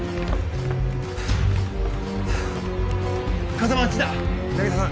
風真はあっちだ凪沙さん